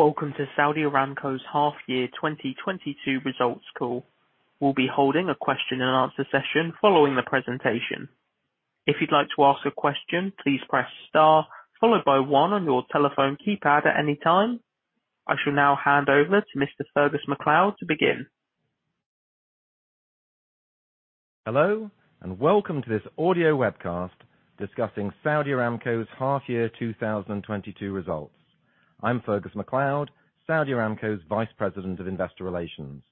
Welcome to Saudi Aramco's Half Year 2022 Results call. We'll be holding a question and answer session following the presentation. If you'd like to ask a question, please press star followed by one on your telephone keypad at any time. I shall now hand over to Mr. Fergus MacLeod to begin. Hello and welcome to this audio webcast discussing Saudi Aramco's half year 2022 results. I'm Fergus MacLeod, Saudi Aramco's Vice President of Investor Relations.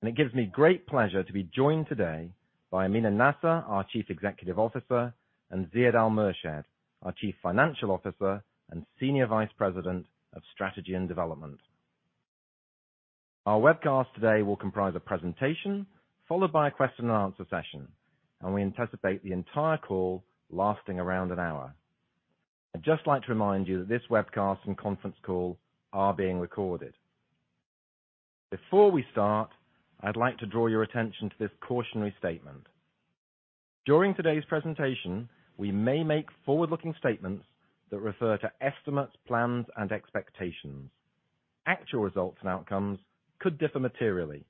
It gives me great pleasure to be joined today by Amin Nasser, our Chief Executive Officer and Ziad Al-Murshed, our Chief Financial Officer and Senior Vice President of Strategy and Development. Our webcast today will comprise a presentation followed by a question and answer session and we anticipate the entire call lasting around an hour. I'd just like to remind you that this webcast and conference call are being recorded. Before we start, I'd like to draw your attention to this cautionary statement. During today's presentation, we may make forward-looking statements that refer to estimates, plans and expectations. Actual results and outcomes could differ materially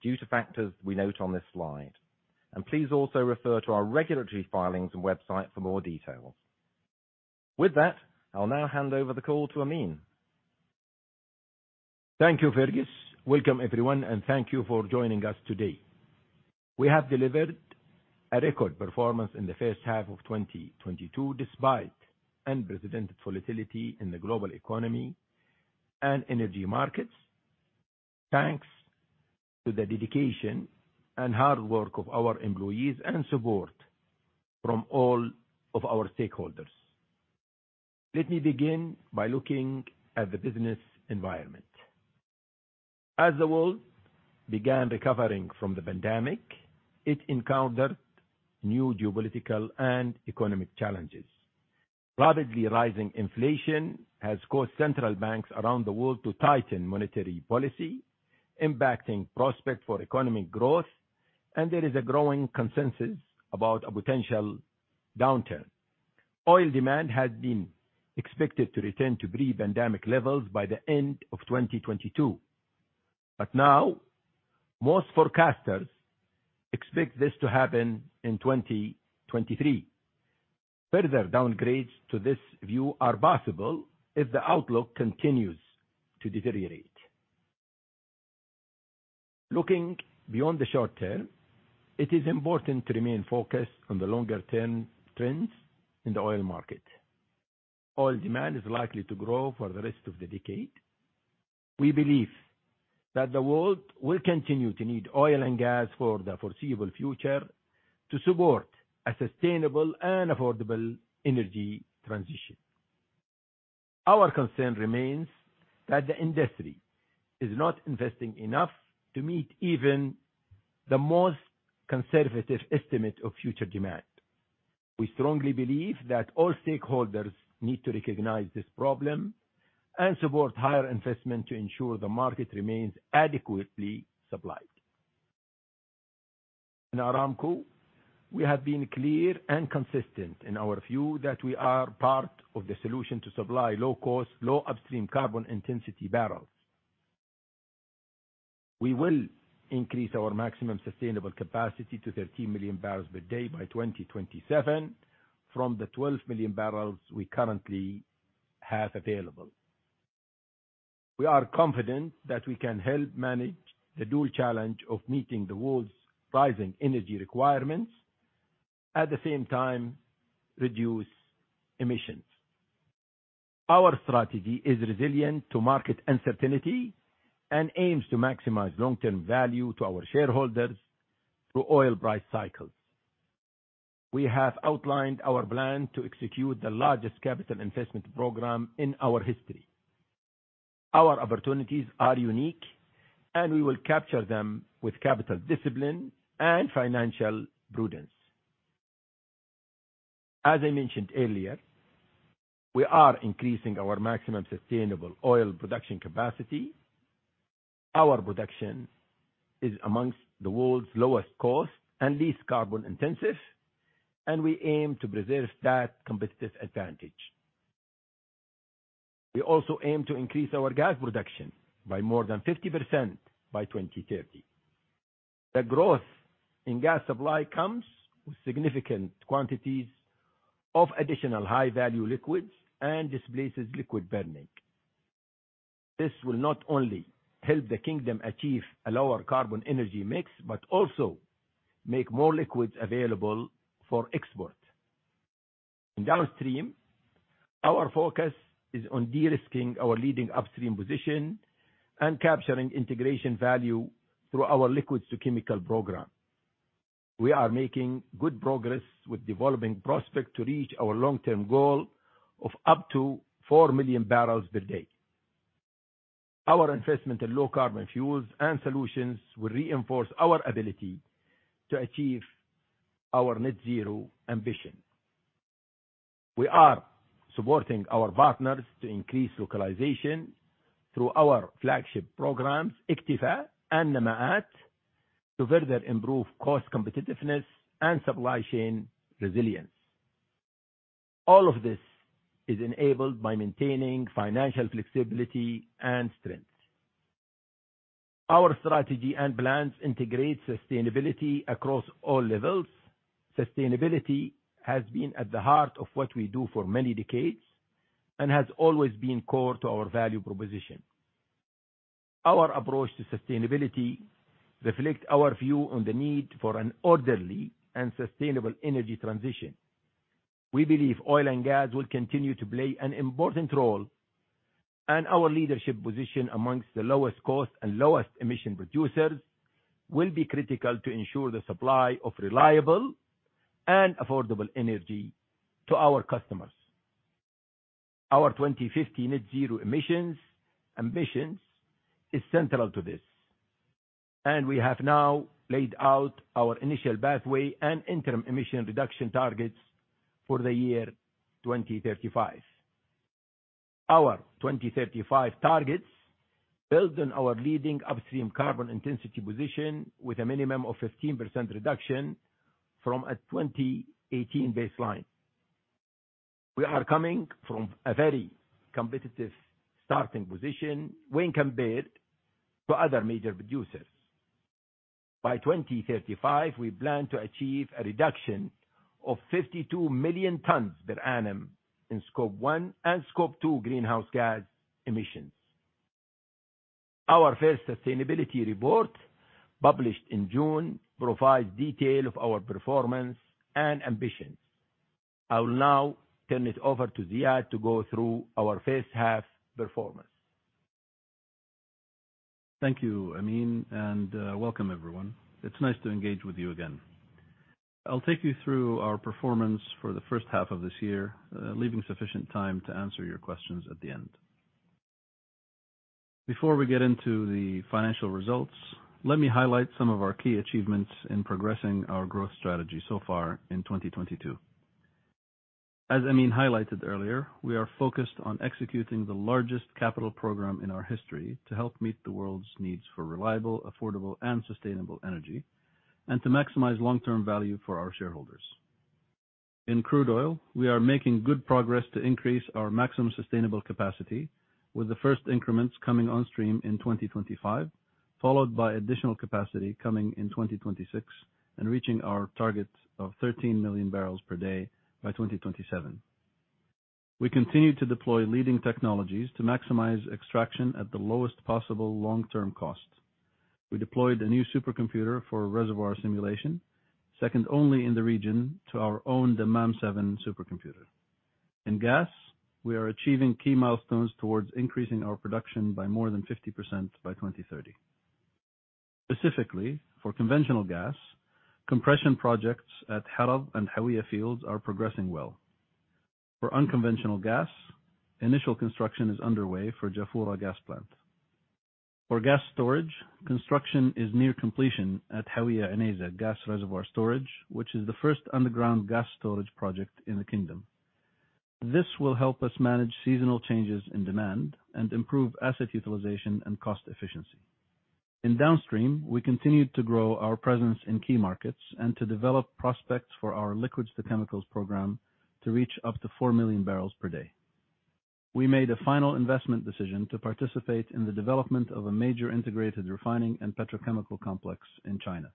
due to factors we note on this slide. Please also refer to our regulatory filings and website for more details. With that, I'll now hand over the call to Amin. Thank you, Fergus. Welcome, everyone and thank you for joining us today. We have delivered a record performance in the first half of 2022, despite unprecedented volatility in the global economy and energy markets. Thanks to the dedication and hard work of our employees and support from all of our stakeholders. Let me begin by looking at the business environment. As the world began recovering from the pandemic, it encountered new geopolitical and economic challenges. Rapidly rising inflation has caused central banks around the world to tighten monetary policy, impacting prospects for economic growth and there is a growing consensus about a potential downturn. Oil demand had been expected to return to pre-pandemic levels by the end of 2022. Now most forecasters expect this to happen in 2023. Further downgrades to this view are possible if the outlook continues to deteriorate. Looking beyond the short term, it is important to remain focused on the longer-term trends in the oil market. Oil demand is likely to grow for the rest of the decade. We believe that the world will continue to need oil and gas for the foreseeable future to support a sustainable and affordable energy transition. Our concern remains that the industry is not investing enough to meet even the most conservative estimate of future demand. We strongly believe that all stakeholders need to recognize this problem and support higher investment to ensure the market remains adequately supplied. In Aramco, we have been clear and consistent in our view that we are part of the solution to supply low-cost, low upstream carbon intensity barrels. We will increase our maximum sustainable capacity to 13 million barrels per day by 2027 from the 12 million barrels we currently have available. We are confident that we can help manage the dual challenge of meeting the world's rising energy requirements, at the same time reduce emissions. Our strategy is resilient to market uncertainty and aims to maximize long-term value to our shareholders through oil price cycles. We have outlined our plan to execute the largest capital investment program in our history. Our opportunities are unique and we will capture them with capital discipline and financial prudence. As I mentioned earlier, we are increasing our maximum sustainable oil production capacity. Our production is among the world's lowest cost and least carbon intensive and we aim to preserve that competitive advantage. We also aim to increase our gas production by more than 50% by 2030. The growth in gas supply comes with significant quantities of additional high-value liquids and displaces liquid burning. This will not only help the kingdom achieve a lower carbon energy mix but also make more liquids available for export. In downstream, our focus is on de-risking our leading upstream position and capturing integration value through our Liquids-to-Chemicals program. We are making good progress with developing prospects to reach our long-term goal of up to 4 million barrels per day. Our investment in low carbon fuels and solutions will reinforce our ability to achieve our Net Zero ambition. We are supporting our partners to increase localization through our flagship programs, iktva and Namaat, to further improve cost competitiveness and supply chain resilience. All of this is enabled by maintaining financial flexibility and strength. Our strategy and plans integrate sustainability across all levels. Sustainability has been at the heart of what we do for many decades and has always been core to our value proposition. Our approach to sustainability reflects our view on the need for an orderly and sustainable energy transition. We believe oil and gas will continue to play an important role and our leadership position amongst the lowest cost and lowest emission producers will be critical to ensure the supply of reliable and affordable energy to our customers. Our 2050 net zero emissions ambitions is central to this and we have now laid out our initial pathway and interim emission reduction targets for the year 2035. Our 2035 targets build on our leading upstream carbon intensity position with a minimum of 15% reduction from a 2018 baseline. We are coming from a very competitive starting position when compared to other major producers. By 2035, we plan to achieve a reduction of 52 million tons per annum in Scope 1 and Scope 2 greenhouse gas emissions. Our first sustainability report, published in June, provides detail of our performance and ambitions. I will now turn it over to Ziad to go through our first half performance. Thank you, Amin and welcome everyone. It's nice to engage with you again. I'll take you through our performance for the first half of this year, leaving sufficient time to answer your questions at the end. Before we get into the financial results, let me highlight some of our key achievements in progressing our growth strategy so far in 2022. As Amin highlighted earlier, we are focused on executing the largest capital program in our history to help meet the world's needs for reliable, affordable and sustainable energy and to maximize long-term value for our shareholders. In crude oil, we are making good progress to increase our maximum sustainable capacity with the first increments coming on stream in 2025, followed by additional capacity coming in 2026 and reaching our target of 13 million barrels per day by 2027. We continue to deploy leading technologies to maximize extraction at the lowest possible long-term cost. We deployed a new supercomputer for reservoir simulation, second only in the region to our own Dammam 7 supercomputer. In gas, we are achieving key milestones towards increasing our production by more than 50% by 2030. Specifically, for conventional gas, compression projects at Haradh and Hawiyah fields are progressing well. For unconventional gas, initial construction is underway for Jafurah gas plant. For gas storage, construction is near completion at Hawiyah Unayzah Gas Reservoir Storage, which is the first underground gas storage project in the kingdom. This will help us manage seasonal changes in demand and improve asset utilization and cost efficiency. In downstream, we continued to grow our presence in key markets and to develop prospects for our Liquids-to-Chemicals program to reach up to 4 million barrels per day. We made a final investment decision to participate in the development of a major integrated refining and petrochemical complex in China.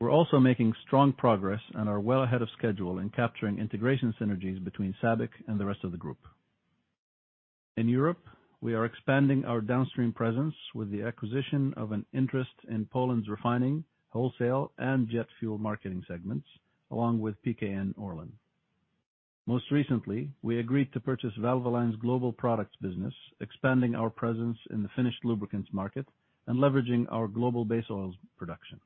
We're also making strong progress and are well ahead of schedule in capturing integration synergies between SABIC and the rest of the group. In Europe, we are expanding our downstream presence with the acquisition of an interest in Poland's refining, wholesale and jet fuel marketing segments, along with PKN Orlen. Most recently, we agreed to purchase Valvoline's global products business, expanding our presence in the finished lubricants market and leveraging our global base oils production.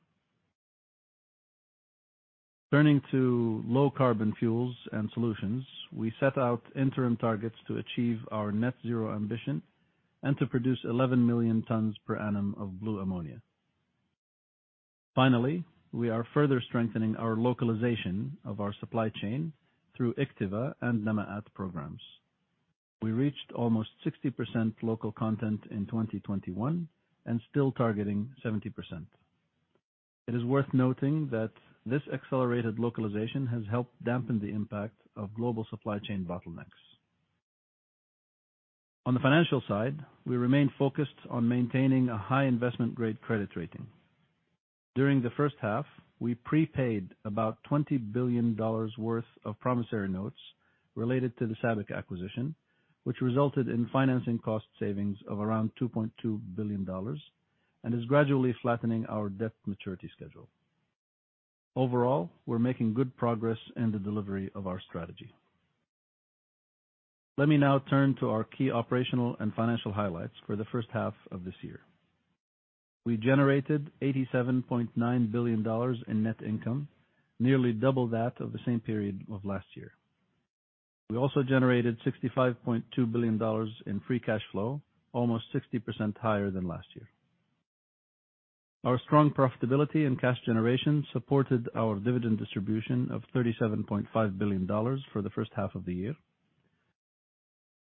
Turning to low carbon fuels and solutions, we set out interim targets to achieve our Net Zero ambition and to produce 11 million tons per annum of blue ammonia. Finally, we are further strengthening our localization of our supply chain through iktva and Namaat programs. We reached almost 60% local content in 2021 and still targeting 70%. It is worth noting that this accelerated localization has helped dampen the impact of global supply chain bottlenecks. On the financial side, we remain focused on maintaining a high investment-grade credit rating. During the first half, we prepaid about $20 billion worth of promissory notes related to the SABIC acquisition, which resulted in financing cost savings of around $2.2 billion and is gradually flattening our debt maturity schedule. Overall, we're making good progress in the delivery of our strategy. Let me now turn to our key operational and financial highlights for the first half of this year. We generated $87.9 billion in net income, nearly double that of the same period of last year. We also generated $65.2 billion in free cash flow, almost 60% higher than last year. Our strong profitability and cash generation supported our dividend distribution of $37.5 billion for the first half of the year.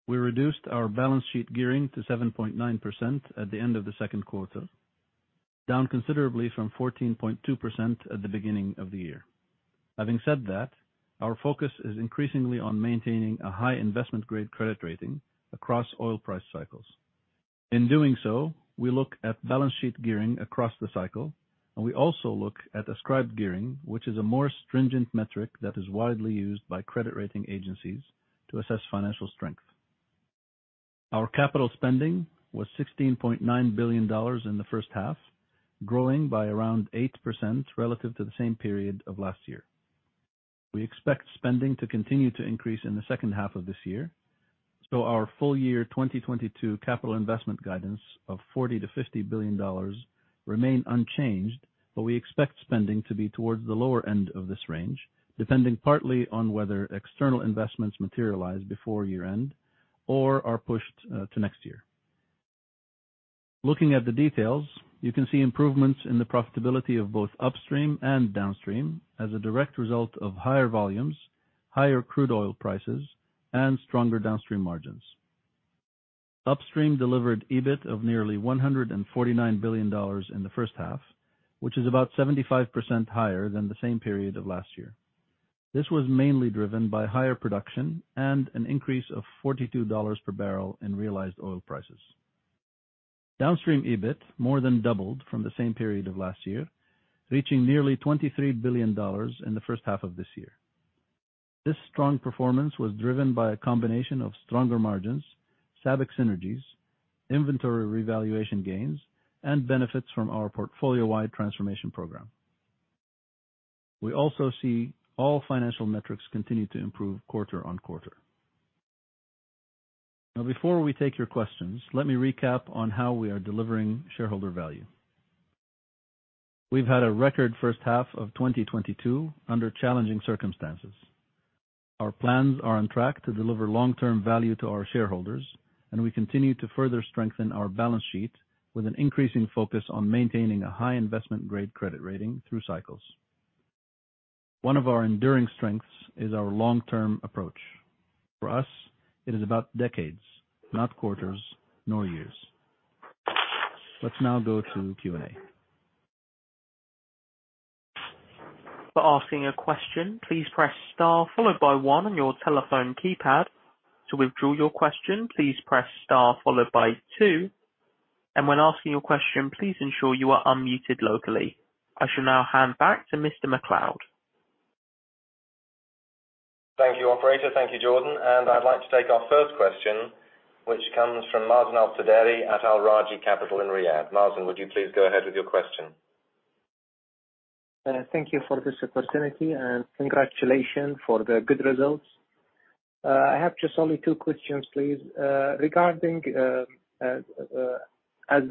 We reduced our balance sheet gearing to 7.9% at the end of the second quarter, down considerably from 14.2% at the beginning of the year. Having said that, our focus is increasingly on maintaining a high investment grade credit rating across oil price cycles. In doing so, we look at balance sheet gearing across the cycle and we also look at ascribed gearing, which is a more stringent metric that is widely used by credit rating agencies to assess financial strength. Our capital spending was $16.9 billion in the first half, growing by around 8% relative to the same period of last year. We expect spending to continue to increase in the second half of this year. Our full year 2022 capital investment guidance of $40 billion-$50 billion remain unchanged but we expect spending to be towards the lower end of this range, depending partly on whether external investments materialize before year-end or are pushed to next year. Looking at the details, you can see improvements in the profitability of both upstream and downstream as a direct result of higher volumes, higher crude oil prices and stronger downstream margins. Upstream delivered EBIT of nearly $149 billion in the first half, which is about 75% higher than the same period of last year. This was mainly driven by higher production and an increase of $42 per barrel in realized oil prices. Downstream EBIT more than doubled from the same period of last year, reaching nearly $23 billion in the first half of this year. This strong performance was driven by a combination of stronger margins, SABIC synergies, inventory revaluation gains and benefits from our portfolio-wide transformation program. We also see all financial metrics continue to improve quarter-on-quarter. Now before we take your questions, let me recap on how we are delivering shareholder value. We've had a record first half of 2022 under challenging circumstances. Our plans are on track to deliver long-term value to our shareholders and we continue to further strengthen our balance sheet with an increasing focus on maintaining a high investment-grade credit rating through cycles. One of our enduring strengths is our long-term approach. For us, it is about decades, not quarters, nor years. Let's now go to Q&A. For asking a question, please press star followed by one on your telephone keypad. To withdraw your question, please press star followed by two. When asking your question, please ensure you are unmuted locally. I shall now hand back to Mr. MacLeod. Thank you, operator. Thank you, Jordan. I'd like to take our first question, which comes from Mazen Al-Sudairi at Al Rajhi Capital in Riyadh. Mazen, would you please go ahead with your question? Thank you for this opportunity and congratulations for the good results. I have just only two questions, please. Regarding, as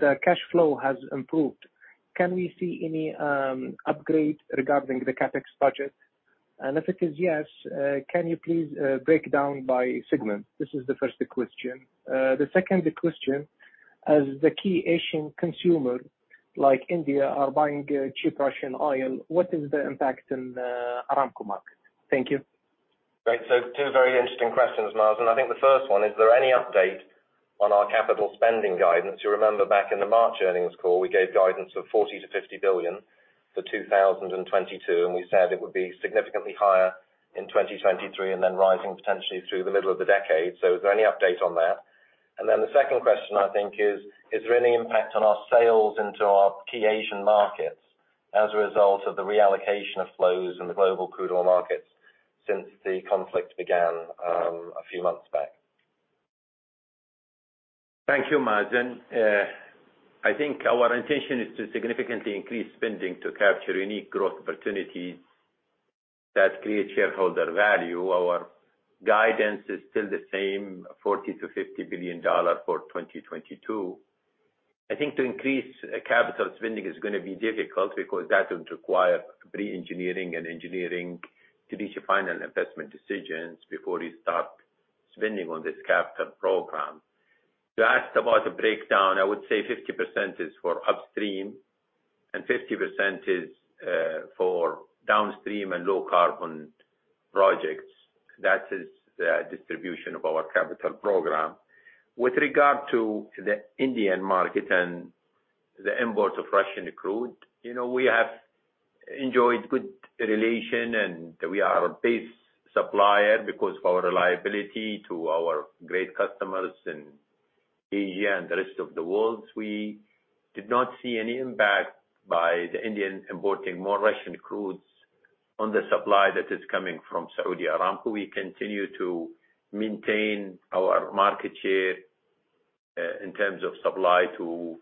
the cash flow has improved, can we see any upgrade regarding the CapEx budget? If it is yes, can you please break down by segment? This is the first question. The second question, as the key Asian consumer like India are buying cheap Russian oil, what is the impact in the Aramco market? Thank you. Great. Two very interesting questions, Mazen. I think the first one, is there any update on our capital spending guidance? You remember back in the March earnings call, we gave guidance of $40-50 billion for 2022 and we said it would be significantly higher in 2023 and then rising potentially through the middle of the decade. Is there any update on that? The second question I think is there any impact on our sales into our key Asian markets as a result of the reallocation of flows in the global crude oil markets since the conflict began a few months back? Thank you, Mazen. I think our intention is to significantly increase spending to capture unique growth opportunities that create shareholder value. Our guidance is still the same, $40 billion-$50 billion for 2022. I think to increase capital spending is gonna be difficult because that would require re-engineering and engineering to reach a final investment decisions before we start spending on this capital program. You asked about a breakdown. I would say 50% is for upstream and 50% is for downstream and low carbon projects. That is the distribution of our capital program. With regard to the Indian market and the imports of Russian crude, you know, we have enjoyed good relation and we are a base supplier because of our reliability to our great customers in Asia and the rest of the world. We did not see any impact by India importing more Russian crudes on the supply that is coming from Saudi Aramco. We continue to maintain our market share in terms of supply to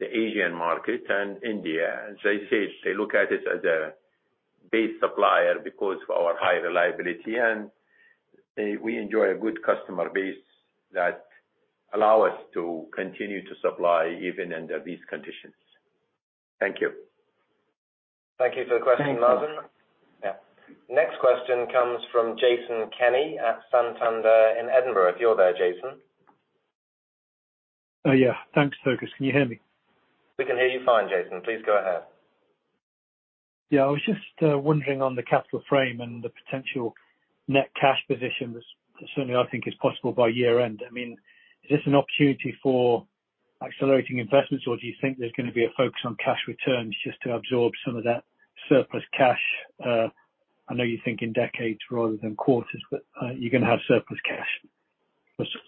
the Asian market and India. As I said, they look at us as a base supplier because of our high reliability and we enjoy a good customer base that allow us to continue to supply even under these conditions. Thank you. Thank you for the question, Mazen. Thank you. Yeah. Next question comes from Jason Kenny at Santander in Edinburgh. If you're there, Jason? Oh yeah. Thanks, Fergus. Can you hear me? We can hear you fine, Jason. Please go ahead. Yeah, I was just wondering on the capital frame and the potential net cash position that certainly I think is possible by year-end. I mean, is this an opportunity for accelerating investments or do you think there's gonna be a focus on cash returns just to absorb some of that surplus cash? I know you think in decades rather than quarters but you're gonna have surplus cash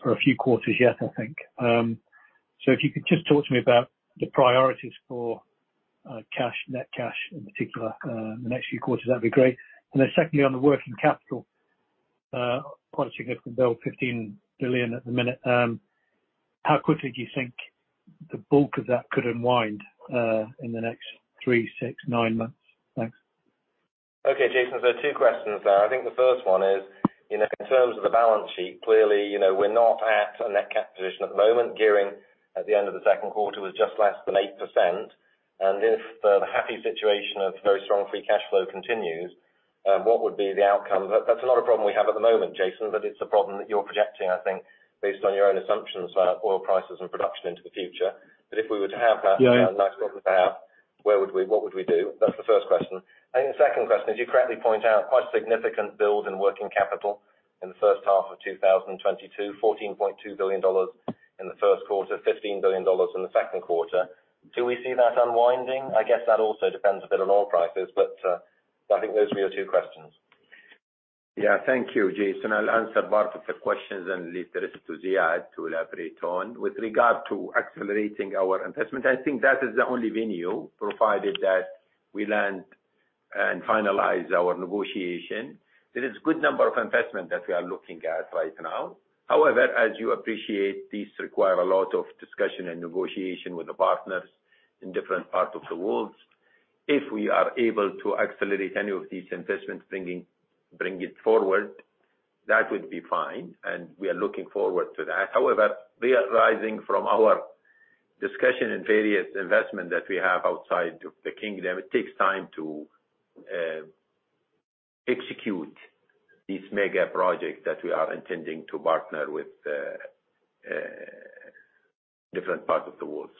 for a few quarters yet, I think. So if you could just talk to me about the priorities for cash, net cash in particular, the next few quarters, that'd be great. Then secondly, on the working capital, quite a significant build, 15 billion at the minute. How quickly do you think the bulk of that could unwind in the next three, six, nine months? Thanks. Okay, Jason. Two questions there. I think the first one is, you know, in terms of the balance sheet, clearly, you know, we're not at a net cash position at the moment. Gearing at the end of the second quarter was just less than 8%. If the happy situation of very strong free cash flow continues, what would be the outcome? That's not a problem we have at the moment, Jason but it's a problem that you're projecting, I think, based on your own assumptions about oil prices and production into the future. If we were to have that a nice problem to have, where would we, what would we do? That's the first question. I think the second question, as you correctly point out, quite significant build in working capital in the first half of 2022, $14.2 billion in the first quarter, $15 billion in the second quarter. Do we see that unwinding? I guess that also depends a bit on oil prices but I think those are your two questions. Yeah. Thank you, Jason. I'll answer both of the questions and leave the rest to Ziad to elaborate on. With regard to accelerating our investment, I think that is the only avenue provided that we land and finalize our negotiation. There is good number of investment that we are looking at right now. However, as you appreciate, these require a lot of discussion and negotiation with the partners in different parts of the world. If we are able to accelerate any of these investments, bringing it forward, that would be fine and we are looking forward to that. However, realizing from our discussion in various investment that we have outside of the kingdom, it takes time to execute this mega project that we are intending to partner with different parts of the world.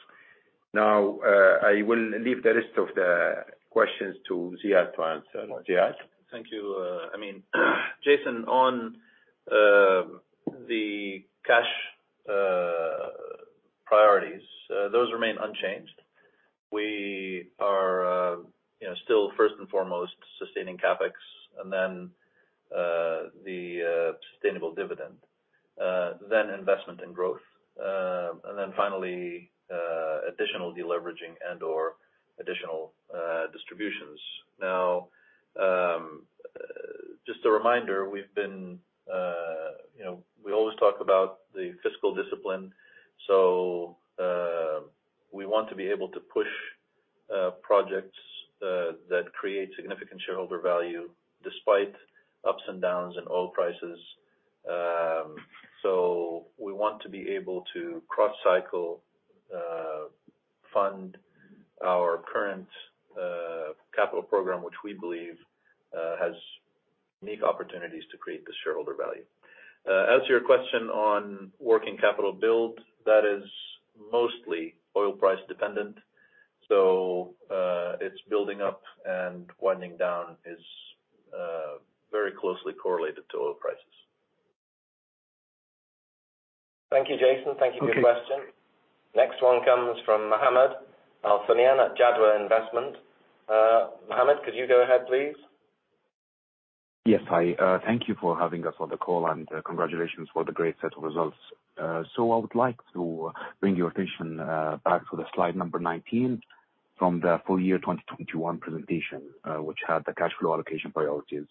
Now, I will leave the rest of the questions to Ziad to answer. Ziad? Thank you, Amin. Jason, on the cash priorities, those remain unchanged. We are, you know, still first and foremost sustaining CapEx and then the sustainable dividend, then investment in growth. Finally, additional deleveraging and/or additional distributions. Now, just a reminder, we've been, you know, we always talk about the fiscal discipline, so we want to be able to push projects that create significant shareholder value despite ups and downs in oil prices. We want to be able to cross-cycle fund our current capital program, which we believe has unique opportunities to create the shareholder value. As to your question on working capital build, that is mostly oil price dependent. Its building up and winding down is very closely correlated to oil prices. Thank you, Jason. Thank you for your question. Next one comes from Mohammed Al‑Thunayan at Jadwa Investment. Mohammed, could you go ahead, please? Yes, hi. Thank you for having us on the call and, congratulations for the great set of results. I would like to bring your attention back to the slide number 19 from the full year 2021 presentation, which had the cash flow allocation priorities,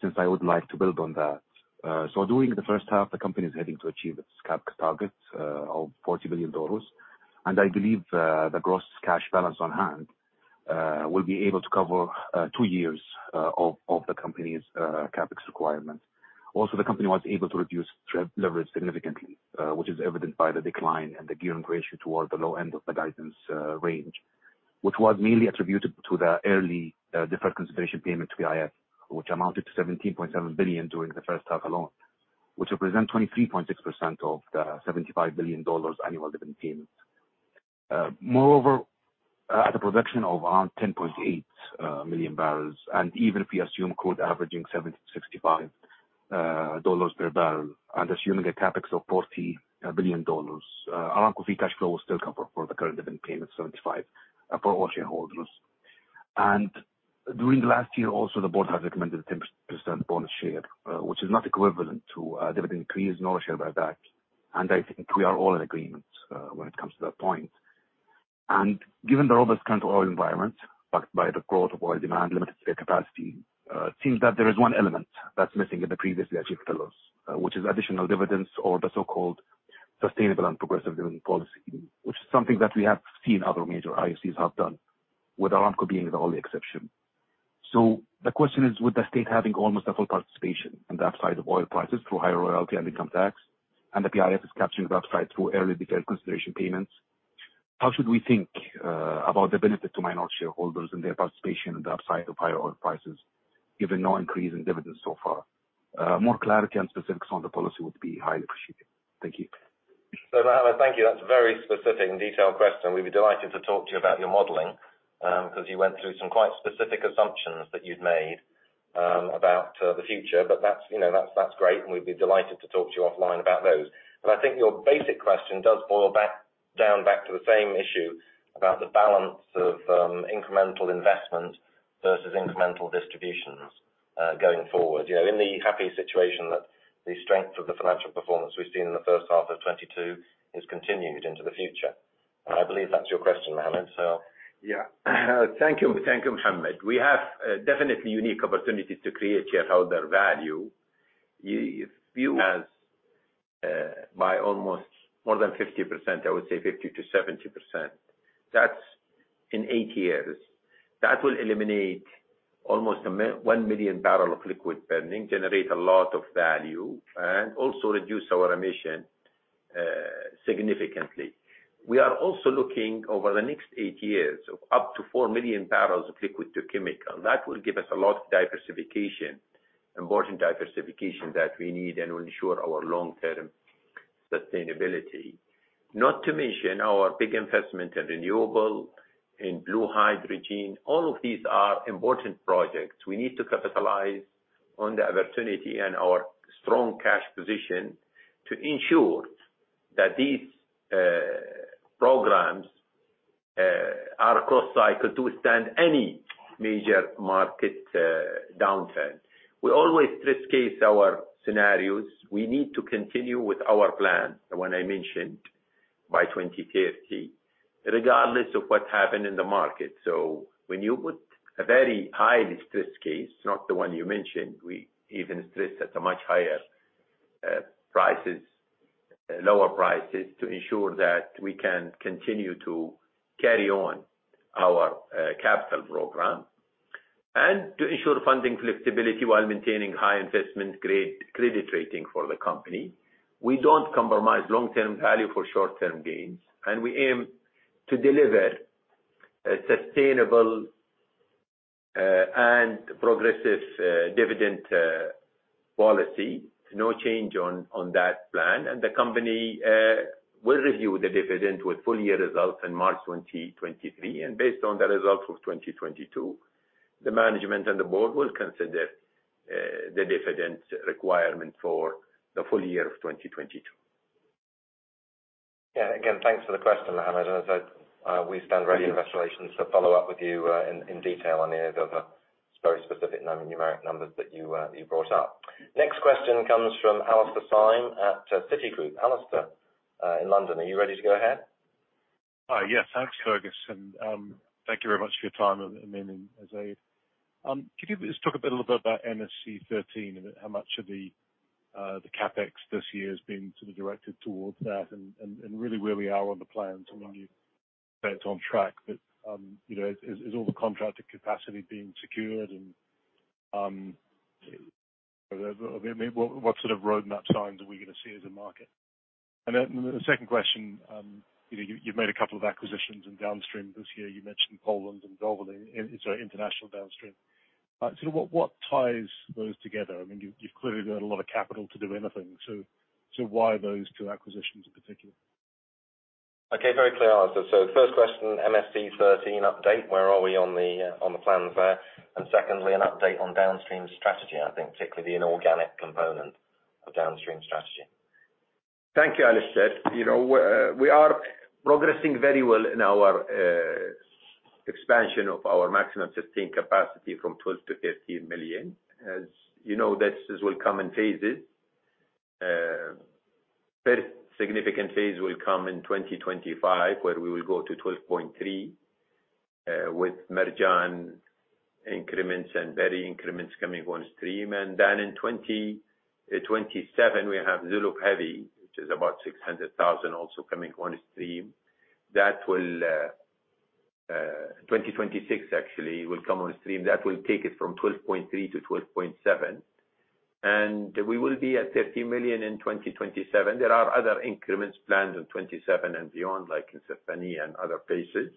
since I would like to build on that. During the first half, the company is heading to achieve its CapEx targets of $40 billion. I believe the gross cash balance on hand will be able to cover two years of the company's CapEx requirements. Also, the company was able to reduce debt leverage significantly, which is evident by the decline and the gearing ratio towards the low end of the guidance range. Which was mainly attributable to the early deferred consideration payment to PIF, which amounted to $17.7 billion during the first half alone, which represent 23.6% of the $75 billion annual dividend payments. Moreover, at a production of around 10.8 million barrels and even if we assume crude averaging $65 per barrel and assuming a CapEx of $40 billion, Saudi Aramco Free Cash Flow will still cover for the current dividend payment $75 billion for all shareholders. During the last year also, the board has recommended a 10% bonus share, which is not equivalent to a dividend increase nor share buyback. I think we are all in agreement when it comes to that point. Given the robust current oil environment backed by the growth of oil demand, limited spare capacity, it seems that there is one element that's missing in the previous years' dividends, which is additional dividends or the so-called sustainable and progressive dividend policy, which is something that we have seen other major IOCs have done, with Aramco being the only exception. The question is, would the state having almost a full participation in the upside of oil prices through higher royalty and income tax and the PIF is capturing the upside through early deferred consideration payments. How should we think about the benefit to minor shareholders and their participation in the upside of higher oil prices, given no increase in dividends so far? More clarity on specifics on the policy would be highly appreciated. Thank you. Mohammed, thank you. That's a very specific and detailed question. We'd be delighted to talk to you about your modeling, 'cause you went through some quite specific assumptions that you'd made, about the future. But that's, you know, that's great and we'd be delighted to talk to you offline about those. But I think your basic question does boil back down to the same issue about the balance of incremental investment versus incremental distributions, going forward. You know, in the happy situation that the strength of the financial performance we've seen in the first half of 2022 has continued into the future. I believe that's your question, Mohammed. Yeah. Thank you. Thank you, Mohammed. We have a definitely unique opportunity to create shareholder value. If you ask by almost more than 50%, I would say 50%-70%. That's in eight years. That will eliminate almost a 1 million barrel of liquid burning, generate a lot of value and also reduce our emission significantly. We are also looking over the next eight years of up to 4 million barrels of Liquids-to-Chemicals and that will give us a lot of diversification, important diversification that we need and will ensure our long-term sustainability. Not to mention our big investment in renewables, in blue hydrogen. All of these are important projects. We need to capitalize on the opportunity and our strong cash position to ensure that these programs are cross-cycle to withstand any major market downturn. We always stress-case our scenarios. We need to continue with our plan, the one I mentioned by 2030, regardless of what happened in the market. When you put a very highly stressed case, not the one you mentioned, we even stress at much lower prices to ensure that we can continue to carry on our capital program and to ensure funding flexibility while maintaining high investment-grade credit rating for the company. We don't compromise long-term value for short-term gains and we aim to deliver a sustainable and progressive dividend policy. No change on that plan. The company will review the dividend with full-year results in March 2023. Based on the results of 2022, the management and the board will consider the dividend requirement for the full year of 2022. Yeah. Again, thanks for the question, Mohammed. As I said, we stand ready and in a position to follow up with you in detail on any of those very specific numeric numbers that you brought up. Next question comes from Alastair Syme at Citigroup. Alastair in London, are you ready to go ahead? Yes. Thanks, Fergus MacLeod. Thank you very much for your time. Could you just talk a bit, little bit about MSC 13 and how much of the CapEx this year has been sort of directed towards that and really where we are on the plans? I mean, you said it's on track but you know, is all the contracted capacity being secured and I mean, what sort of roadmap signs are we gonna see as a market? Then the second question, you know, you've made a couple of acquisitions in downstream this year. You mentioned Orlen and Valvoline, so international downstream. Sort of what ties those together? I mean, you've clearly got a lot of capital to do anything. Why those two acquisitions in particular? Okay. Very clear, Alastair. First question, MSC 13 update, where are we on the plans there? And secondly, an update on downstream strategy, I think particularly the inorganic component of downstream strategy. Thank you, Alastair. You know, we are progressing very well in our expansion of our maximum sustained capacity from 12 to 13 million. As you know, this will come in phases. Very significant phase will come in 2025, where we will go to 12.3 with Marjan increments and Berri increments coming on stream. Then in 2027, we have Zuluf heavy, which is about 600,000 also coming on stream. 2026 actually will come on stream. That will take us from 12.3 to 12.7. We will be at 13 million in 2027. There are other increments planned in 2027 and beyond, like in Safaniya and other places.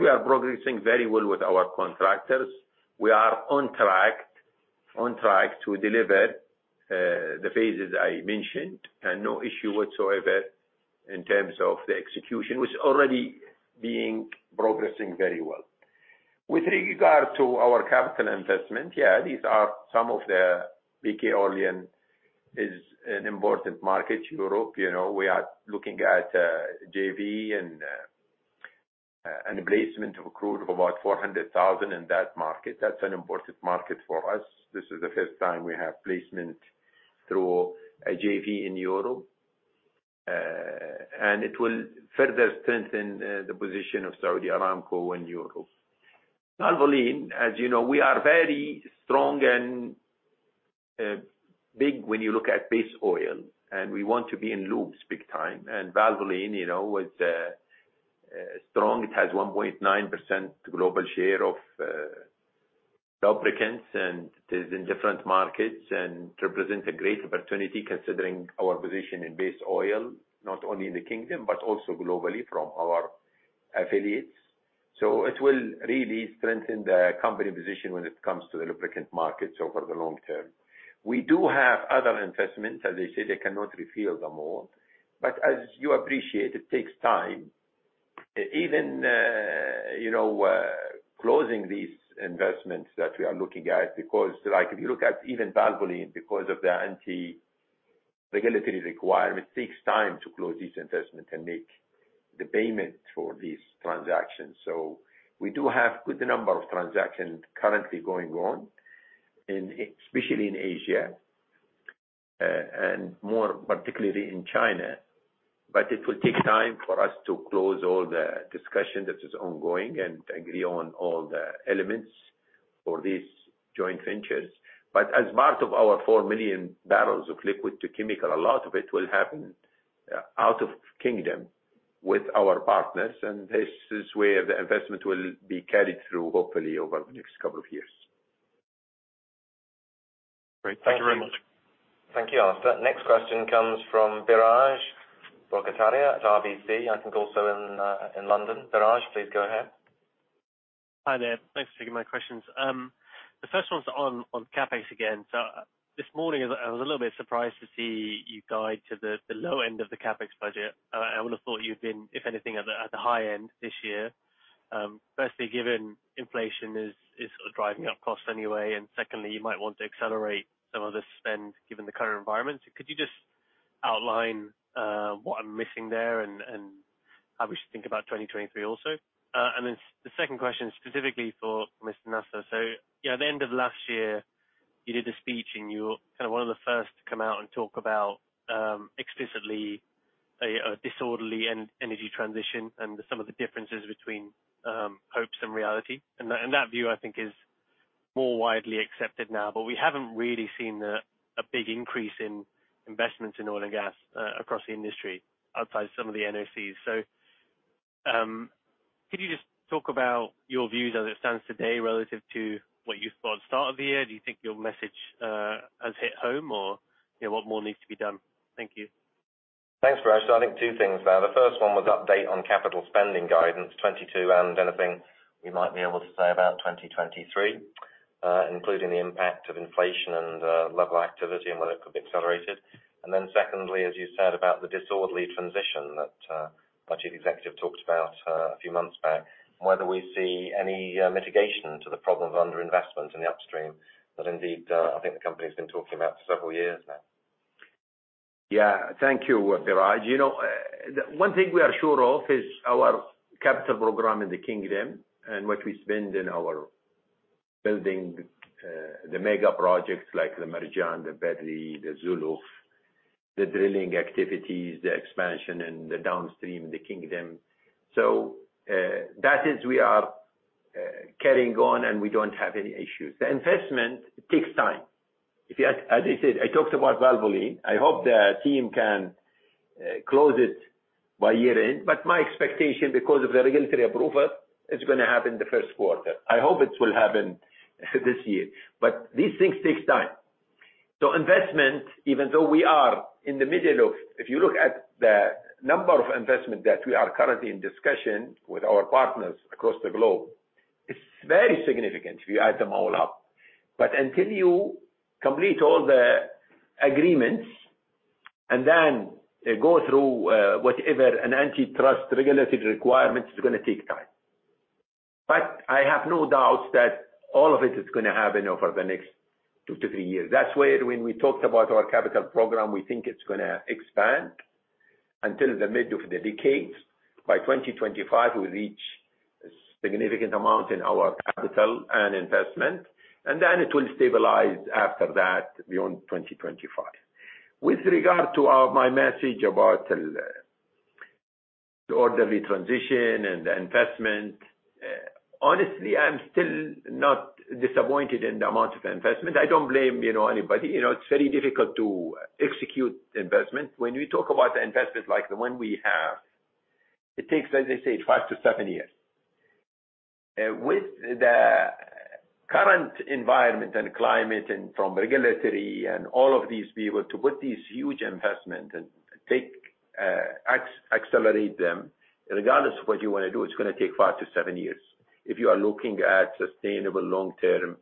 We are progressing very well with our contractors. We are on track to deliver the phases I mentioned and no issue whatsoever in terms of the execution, which already being progressing very well. With regard to our capital investment, PKN Orlen is an important market. Europe, we are looking at JV and a placement of crude of about 400,000 in that market. That's an important market for us. This is the first time we have placement through a JV in Europe. It will further strengthen the position of Saudi Aramco in Europe. Valvoline, as you know, we are very strong and big when you look at base oil and we want to be in lubes big time. Valvoline, you know, is strong. It has 1.9% global share of lubricants and it is in different markets and represents a great opportunity considering our position in base oil, not only in the kingdom but also globally from our affiliates. It will really strengthen the company position when it comes to the lubricant markets over the long term. We do have other investments. As I said, I cannot reveal them all. As you appreciate, it takes time. Even, you know, closing these investments that we are looking at because like if you look at even Valvoline, because of the regulatory requirement, it takes time to close this investment and make the payment for these transactions. We do have good number of transactions currently going on, especially in Asia and more particularly in China. It will take time for us to close all the discussion that is ongoing and agree on all the elements for these joint ventures. As part of our 4 million barrels of Liquids-to-Chemicals, a lot of it will happen out of kingdom with our partners and this is where the investment will be carried through, hopefully over the next couple of years. Great. Thank you very much. Thank you, Alastair. Next question comes from Biraj Borkhataria at RBC. I think also in London. Biraj, please go ahead. Hi there. Thanks for taking my questions. The first one's on CapEx again. This morning, I was a little bit surprised to see you guide to the low end of the CapEx budget. I would've thought you'd been, if anything, at the high end this year. Firstly, given inflation is driving up costs anyway. Secondly, you might want to accelerate some of the spend given the current environment. Could you just outline what I'm missing there and how we should think about 2023 also? Then the second question specifically for Mr. Nasser. Yeah, at the end of last year, you did a speech and you were kind of one of the first to come out and talk about explicitly a disorderly energy transition and some of the differences between hopes and reality. That view, I think, is more widely accepted now. We haven't really seen a big increase in investments in oil and gas across the industry outside some of the NOCs. Could you just talk about your views as it stands today relative to what you thought at start of the year? Do you think your message has hit home or, you know, what more needs to be done? Thank you. Thanks, Biraj. I think two things there. The first one was update on capital spending guidance 2022 and anything you might be able to say about 2023, including the impact of inflation and level activity and whether it could be accelerated. Secondly, as you said, about the disorderly transition that our chief executive talked about a few months back and whether we see any mitigation to the problems of underinvestment in the upstream that indeed I think the company's been talking about for several years now. Yeah. Thank you, Biraj. You know, the one thing we are sure of is our capital program in the kingdom and what we spend in our building, the mega projects like the Marjan, the Berri, the Zuluf, the drilling activities, the expansion in the downstream, the kingdom. That is we are carrying on and we don't have any issues. The investment takes time. As I said, I talked about Valvoline. I hope the team can close it by year-end but my expectation because of the regulatory approval, it's gonna happen the first quarter. I hope it will happen this year. But these things take time. Investment, even though we are in the middle of. If you look at the number of investment that we are currently in discussion with our partners across the globe, it's very significant if you add them all up. Until you complete all the agreements and then go through whatever an antitrust regulatory requirement, it's gonna take time. I have no doubts that all of it is gonna happen over the next two-three years. That's why when we talked about our capital program, we think it's gonna expand until the mid of the decade. By 2025, we'll reach significant amount in our capital and investment and then it will stabilize after that beyond 2025. With regard to my message about the orderly transition and the investment, honestly, I'm still not disappointed in the amount of investment. I don't blame, you know, anybody. You know, it's very difficult to execute investment. When we talk about the investment like the one we have, it takes, as I said, five-seven years. With the current environment and climate and from regulatory and all of these people to put these huge investment and take accelerate them, regardless of what you wanna do, it's gonna take five-seven years if you are looking at sustainable long-term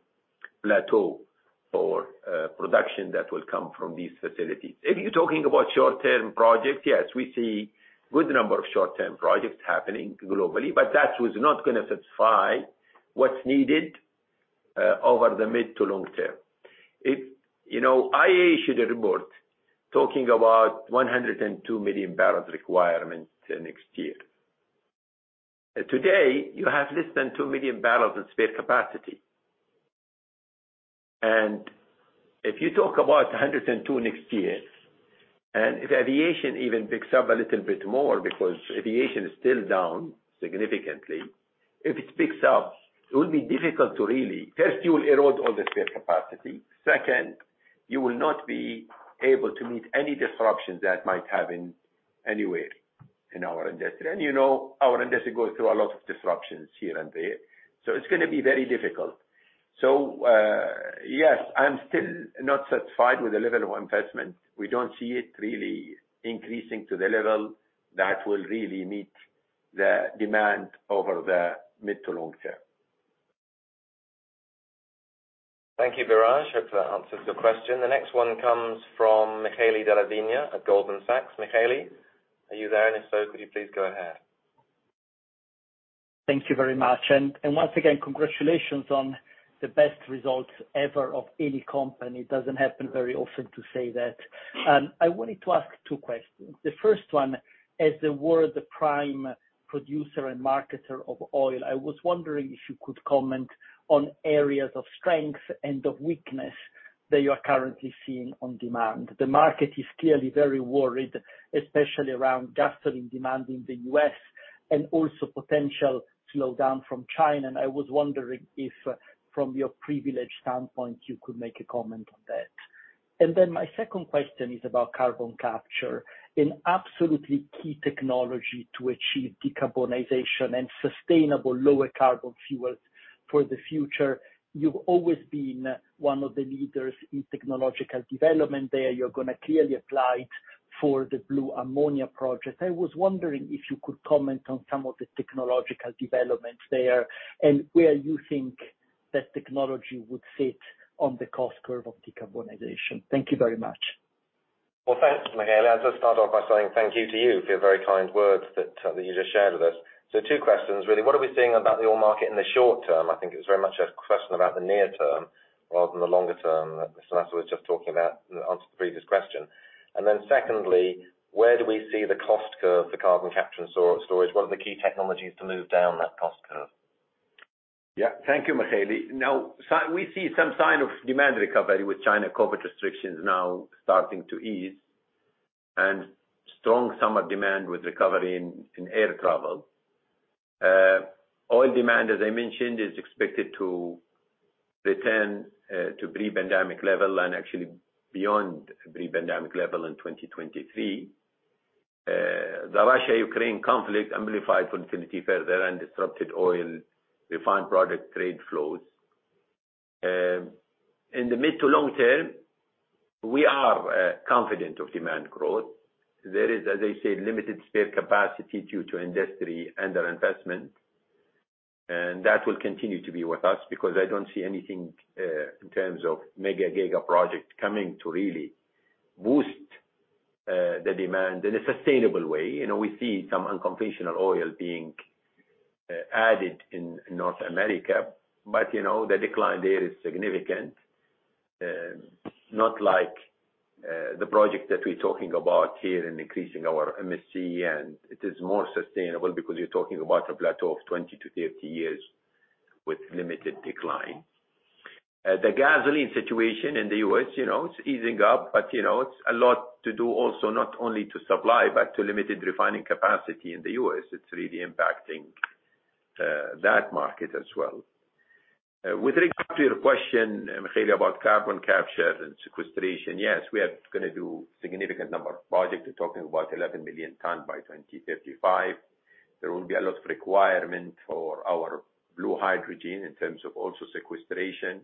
plateau for production that will come from these facilities. If you're talking about short-term project, yes, we see good number of short-term projects happening globally but that is not gonna satisfy what's needed over the mid to long term. If, you know, IEA issued a report talking about 102 million barrels requirement next year. Today, you have less than 2 million barrels in spare capacity. If you talk about 102 next year and if aviation even picks up a little bit more, because aviation is still down significantly, if it picks up, it will be difficult to really. First, you will erode all the spare capacity. Second, you will not be able to meet any disruptions that might happen anywhere. In our industry. You know, our industry goes through a lot of disruptions here and there, so it's gonna be very difficult. Yes, I'm still not satisfied with the level of investment. We don't see it really increasing to the level that will really meet the demand over the mid to long term. Thank you, Biraj. I hope that answers your question. The next one comes from Michele Della Vigna at Goldman Sachs. Michele, are you there? If so, could you please go ahead. Thank you very much. Once again, congratulations on the best results ever of any company. It doesn't happen very often to say that. I wanted to ask two questions. The first one, as the world's premier producer and marketer of oil, I was wondering if you could comment on areas of strength and of weakness that you are currently seeing on demand. The market is clearly very worried, especially around gasoline demand in the U.S. and also potential slowdown from China. I was wondering if from your privileged standpoint, you could make a comment on that. My second question is about carbon capture. An absolutely key technology to achieve decarbonization and sustainable lower carbon fuels for the future. You've always been one of the leaders in technological development there. You're gonna clearly apply it for the blue ammonia project. I was wondering if you could comment on some of the technological developments there and where you think that technology would fit on the cost curve of decarbonization. Thank you very much. Well, thanks, Michele. I'll just start off by saying thank you to you for your very kind words that you just shared with us. Two questions really. What are we seeing about the oil market in the short term? I think it was very much a question about the near term rather than the longer term that Mr. Nasser was just talking about in answer to the previous question. Secondly, where do we see the cost curve for carbon capture and storage? What are the key technologies to move down that cost curve? Yeah. Thank you, Michele. Now we see some sign of demand recovery with China COVID restrictions now starting to ease and strong summer demand with recovery in air travel. Oil demand, as I mentioned, is expected to return to pre-pandemic level and actually beyond pre-pandemic level in 2023. The Russia-Ukraine conflict amplified volatility further and disrupted oil refined product trade flows. In the mid to long term, we are confident of demand growth. There is, as I said, limited spare capacity due to industry under-investment and that will continue to be with us because I don't see anything in terms of mega giga project coming to really boost the demand in a sustainable way. You know, we see some unconventional oil being added in North America but you know, the decline there is significant. Not like the project that we're talking about here in increasing our MSC. It is more sustainable because you're talking about a plateau of 20-30 years with limited decline. The gasoline situation in the U.S., you know, it's easing up but you know, it's a lot to do also not only to supply but to limited refining capacity in the U.S. It's really impacting that market as well. With regard to your question, Michele, about carbon capture and sequestration, yes, we are gonna do significant number of projects. We're talking about 11 million tons by 2035. There will be a lot of requirements for our blue hydrogen in terms of also sequestration.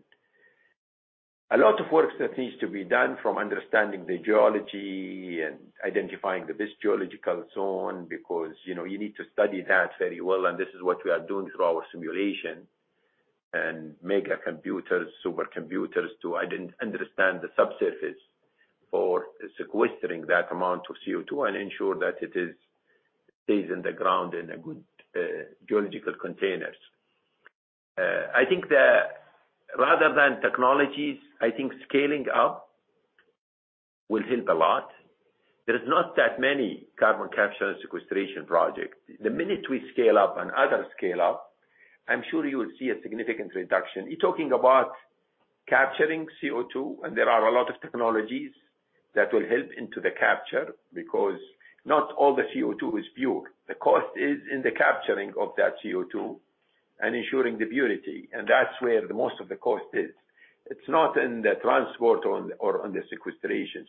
A lot of work that needs to be done from understanding the geology and identifying the best geological zone, because, you know, you need to study that very well and this is what we are doing through our simulation and mega computers, supercomputers, to understand the subsurface for sequestering that amount of CO2 and ensure that it stays in the ground in a good geological containers. I think rather than technologies, I think scaling up will help a lot. There is not that many Carbon Capture and Sequestration project. The minute we scale up and others scale up, I'm sure you will see a significant reduction. You're talking about capturing CO2 and there are a lot of technologies that will help in the capture because not all the CO2 is pure. The cost is in the capturing of that CO2 and ensuring the purity and that's where the most of the cost is. It's not in the transport or the sequestration.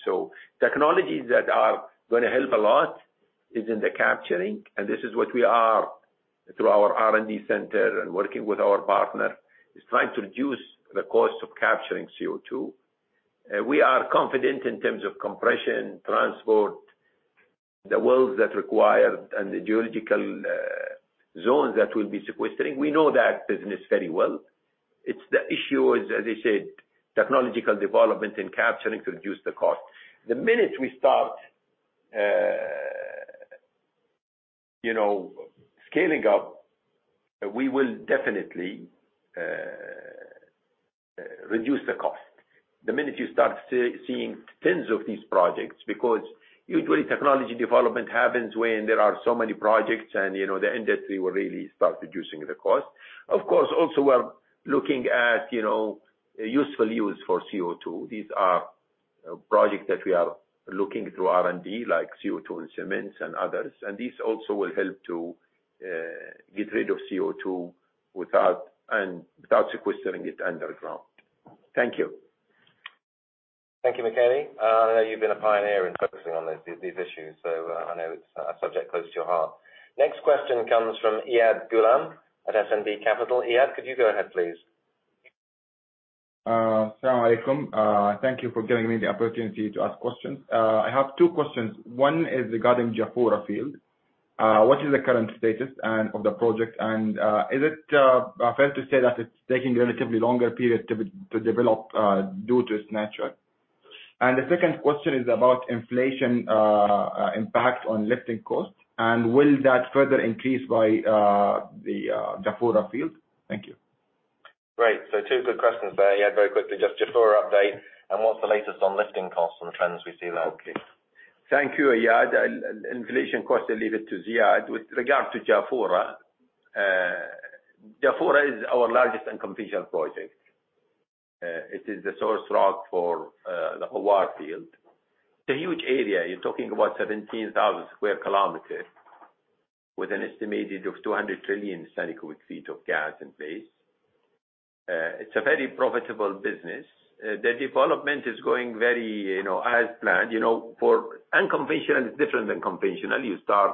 Technologies that are gonna help a lot is in the capturing and this is what we are through our R&D center and working with our partner, is trying to reduce the cost of capturing CO2. We are confident in terms of compression, transport, the wells that require and the geological zones that we'll be sequestering. We know that business very well. It's the issue, as I said, technological development in capturing to reduce the cost. The minute we start, you know, scaling up, we will definitely reduce the cost. The minute you start seeing tens of these projects, because usually technology development happens when there are so many projects and, you know, the industry will really start reducing the cost. Of course, also we're looking at, you know, useful use for CO2. These are projects that we are looking through R&D like CO2 in cements and others and these also will help to get rid of CO2 without sequestering it underground. Thank you. Thank you, Michele. I know you've been a pioneer in focusing on these issues, so I know it's a subject close to your heart. Next question comes from Iyad Ghulam at SNB Capital. Iyad, could you go ahead, please? Thank you for giving me the opportunity to ask question. I have two question. One is regarding Jafurah field. What is the current status of the project? Is it fair to say that it's taking relatively longer period to develop due to its metric? And the second question is about inflation impact on lifting costs? Will that further increase by the Jafurah field? Great. Two good questions there. Yeah, very quickly. Just Jafurah update and what's the latest on lifting costs and the trends we see there, please. Thank you, Iyad. Inflation cost, I leave it to Ziad. With regard to Jafurah is our largest unconventional project. It is the source rock for the Ghawar field. It's a huge area. You're talking about 17,000 square kilometers with an estimated of 200 trillion standard cubic feet of gas in place. It's a very profitable business. The development is going very, you know, as planned. You know, for unconventional, it's different than conventional. You start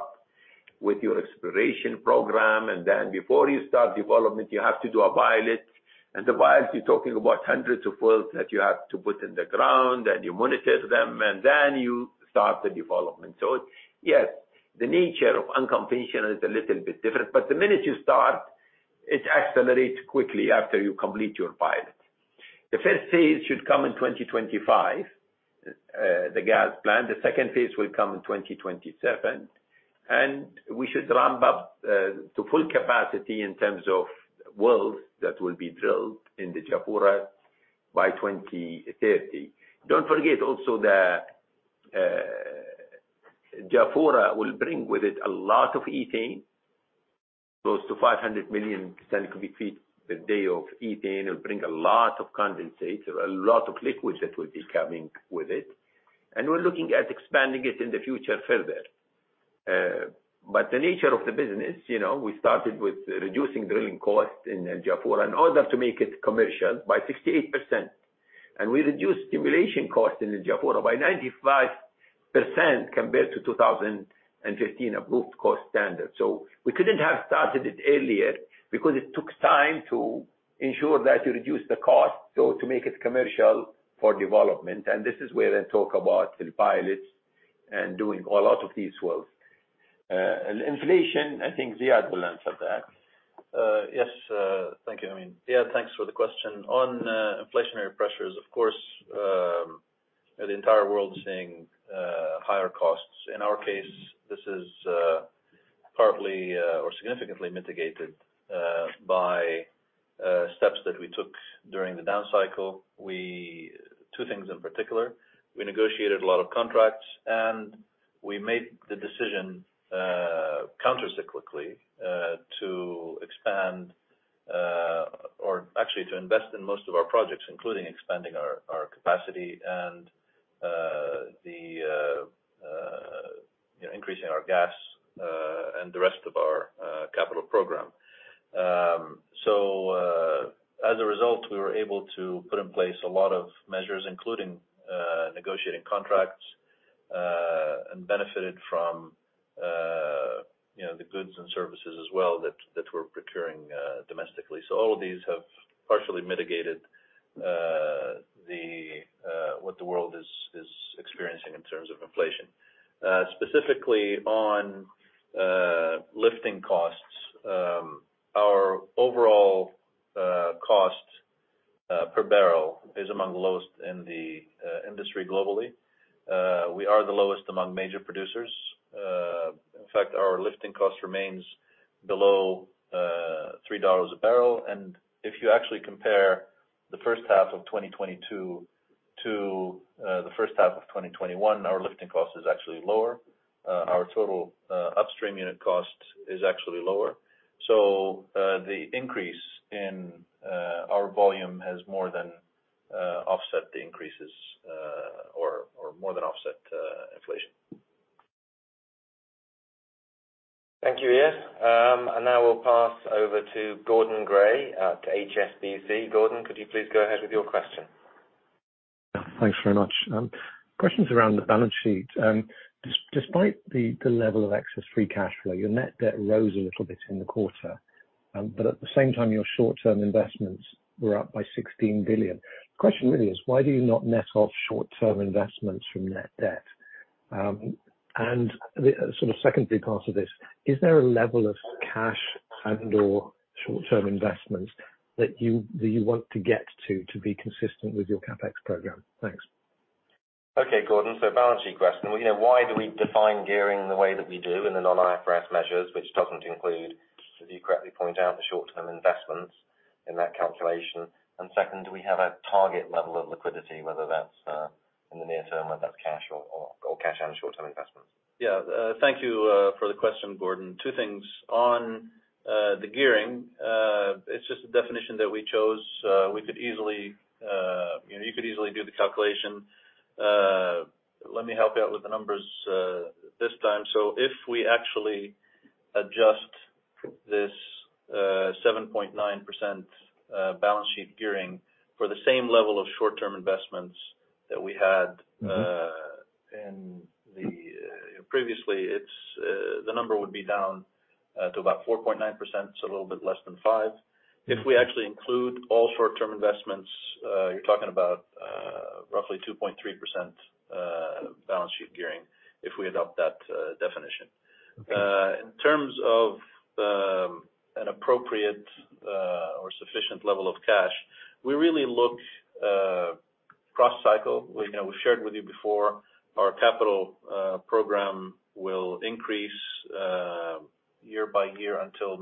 with your exploration program and then before you start development, you have to do a pilot. The pilot, you're talking about hundreds of wells that you have to put in the ground and you monitor them and then you start the development. Yes, the nature of unconventional is a little bit different but the minute you start, it accelerates quickly after you complete your pilot. The first phase should come in 2025, the gas plant. The second phase will come in 2027 and we should ramp up to full capacity in terms of wells that will be drilled in the Jafurah by 2030. Don't forget also that Jafurah will bring with it a lot of ethane, close to 500 million standard cubic feet per day of ethane. It will bring a lot of condensate. There are a lot of liquids that will be coming with it. We're looking at expanding it in the future further. The nature of the business, you know, we started with reducing drilling costs in Jafurah in order to make it commercial by 68%. We reduced stimulation costs in Jafurah by 95% compared to 2015 approved cost standard. We couldn't have started it earlier because it took time to ensure that you reduce the cost, so to make it commercial for development. This is where they talk about the pilots and doing a lot of these wells. Inflation, I think Ziad will answer that. Yes. Thank you, Amin. Iyad, thanks for the question. On inflationary pressures, of course, the entire world is seeing higher costs. In our case, this is partly or significantly mitigated by steps that we took during the down cycle. Two things in particular, we negotiated a lot of contracts and we made the decision counter-cyclically to expand or actually to invest in most of our projects, including expanding our capacity and increasing our gas and the rest of our capital program. As a result, we were able to put in place a lot of measures, including negotiating contracts and benefited from, you know, the goods and services as well that we're procuring domestically. All of these have partially mitigated what the world is experiencing in terms of inflation. Specifically on lifting costs, our overall cost per barrel is among the lowest in the industry globally. We are the lowest among major producers. In fact, our lifting cost remains below $3 a barrel. If you actually compare the first half of 2022 to the first half of 2021, our lifting cost is actually lower. Our total upstream unit cost is actually lower. The increase in our volume has more than offset the increases or more than offset inflation. Thank you, Ziad. Now we'll pass over to Gordon Gray to HSBC. Gordon, could you please go ahead with your question? Thanks very much. Question's around the balance sheet. Despite the level of excess free cash flow, your net debt rose a little bit in the quarter. At the same time, your short-term investments were up by 16 billion. The question really is why do you not net off short-term investments from net debt? The sort of secondary part of this, is there a level of cash and/or short-term investments that you want to get to to be consistent with your CapEx program? Thanks. Okay, Gordon. Balance sheet question. You know, why do we define gearing the way that we do in the non-IFRS measures, which doesn't include, as you correctly point out, the short-term investments in that calculation? Second, do we have a target level of liquidity, whether that's in the near term, whether that's cash or cash and short-term investments? Thank you for the question, Gordon Gray. Two things. On the gearing, it's just a definition that we chose. We could easily, you know, you could easily do the calculation. Let me help out with the numbers, this time. If we actually adjust this 7.9% balance sheet gearing for the same level of short-term investments that we had. Previously, it was down to about 4.9%, so a little bit less than 5%. If we actually include all short-term investments, you're talking about roughly 2.3% balance sheet gearing if we adopt that definition. In terms of an appropriate or sufficient level of cash, we really look cross-cycle. You know, we shared with you before our capital program will increase year by year until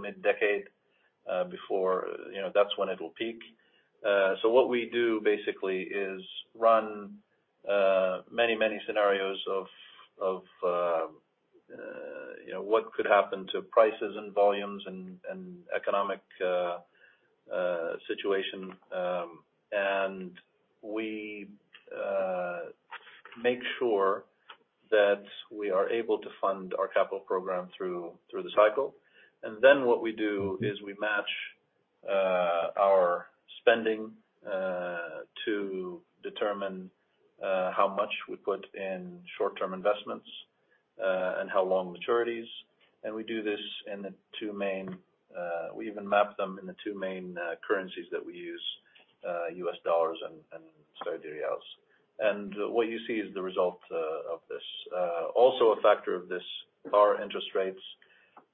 mid-decade. You know, that's when it'll peak. What we do basically is run many scenarios of, you know, what could happen to prices and volumes and economic situation. We make sure that we are able to fund our capital program through the cycle. What we do is we match our spending to determine how much we put in short-term investments and how long maturities. We do this. We even map them in the two main currencies that we use, U.S. dollars and Saudi riyals. What you see is the result of this. Also a factor of this, lower interest rates.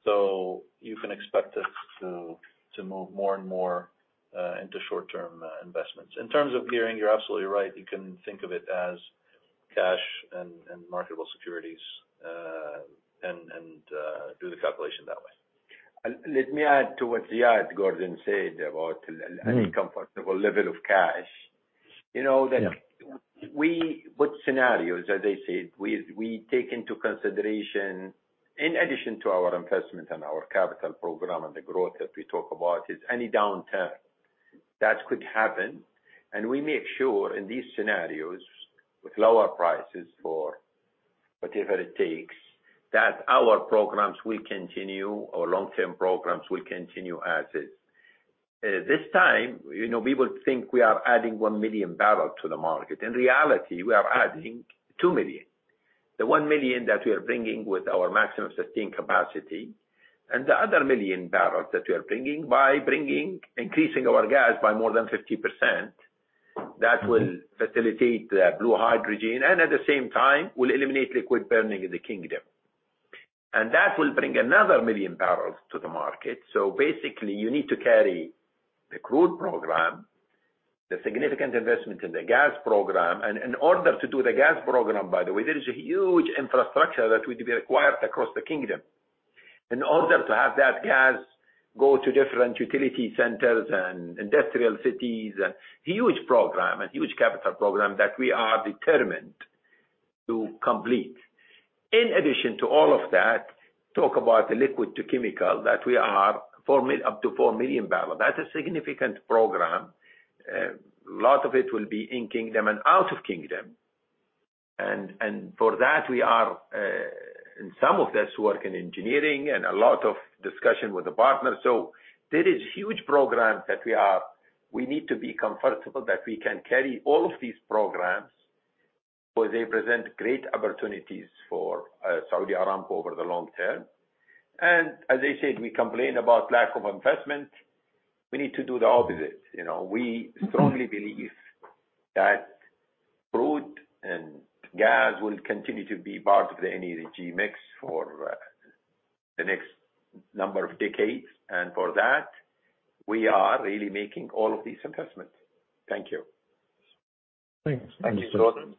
You can expect us to move more and more into short-term investments. In terms of gearing, you're absolutely right. You can think of it as cash and marketable securities and do the calculation that way. Let me add to what Ziad, Gordon said about any comfortable level of cash. You know. What scenarios, as I said, we take into consideration in addition to our investment and our capital program and the growth that we talk about, is any downturn that could happen. We make sure in these scenarios, with lower prices for whatever it takes, that our programs will continue, our long-term programs will continue as is. This time, you know, people think we are adding 1 million barrel to the market. In reality, we are adding 2 million. The 1 million that we are bringing with our Maximum Sustainable Capacity and the other million barrels that we are bringing by increasing our gas by more than 50%. That will facilitate the blue hydrogen and at the same time will eliminate liquid burning in the kingdom. That will bring another million barrels to the market. Basically you need to carry the crude program, the significant investment in the gas program. In order to do the gas program, by the way, there is a huge infrastructure that we developed across the kingdom. In order to have that gas go to different utility centers and industrial cities. A huge program, a huge capital program that we are determined to complete. In addition to all of that, talk about the Liquids-to-Chemicals that we are up to 4 million barrel. That's a significant program. A lot of it will be in-Kingdom and out-of-Kingdom. And for that we are in some of this work in engineering and a lot of discussion with the partners. There are huge programs that we need to be comfortable that we can carry all of these programs, for they present great opportunities for Saudi Aramco over the long term. We complain about lack of investment. We need to do the opposite. You know, we strongly believe that crude and gas will continue to be part of the energy mix for the next number of decades. We are really making all of these investments. Thank you. Thanks. Thank you, Gordon.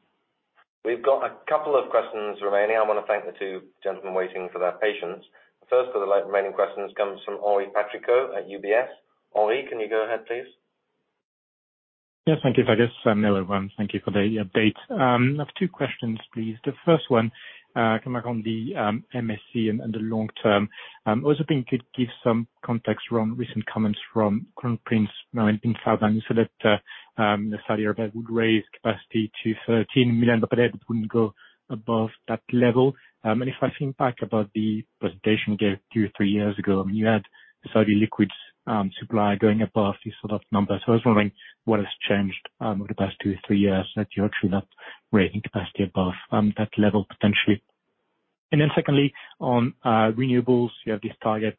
We've got a couple of questions remaining. I want to thank the two gentlemen waiting for their patience. First of the remaining questions comes from Henri Patricot at UBS. Henri, can you go ahead, please? Yes, thank you, Fergus MacLeod. Hello, everyone. Thank you for the update. I have two questions, please. The first one, coming back on the MSC and the long term. I also think you could give some context around recent comments from Crown Prince Mohammed bin Salman, who said that Saudi Arabia would raise capacity to 13 million but that it wouldn't go above that level. If I think back about the presentation we gave two-three years ago, I mean, you had Saudi liquids supply going above these sort of numbers. I was wondering what has changed over the past two-three years that you're actually not raising capacity above that level potentially. Then secondly, on renewables, you have this 2030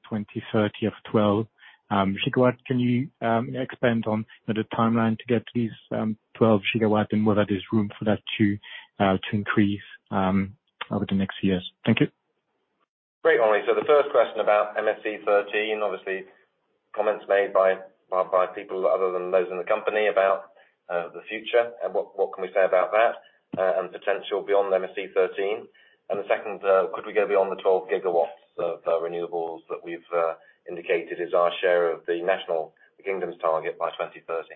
target of 12 GW. Can you expand on the timeline to get these 12 gigawatt and whether there's room for that to increase over the next years? Thank you. Great, Henri. The first question about MSC 13, obviously comments made by people other than those in the company about the future and what can we say about that and potential beyond MSC 13. The second, could we go beyond the 12 GW of renewables that we've indicated is our share of the national, the kingdom's target by 2030?